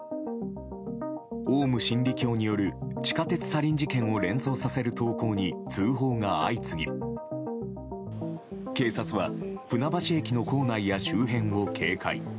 オウム真理教による地下鉄サリン事件を連想させる投稿に通報が相次ぎ警察は船橋駅の構内や周辺を警戒。